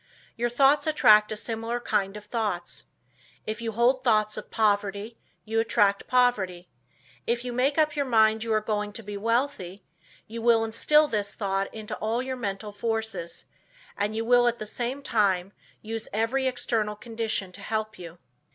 Your thoughts attract a similar kind of thoughts. If you hold thoughts of poverty you attract poverty. If you make up your mind you are going to be wealthy, you will instil this thought into all your mental forces, and you will at the same time use every external condition to help you."